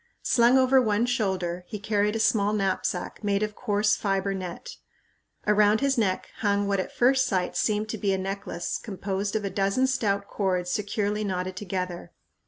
Slung over one shoulder he carried a small knapsack made of coarse fiber net. Around his neck hung what at first sight seemed to be a necklace composed of a dozen stout cords securely knotted together.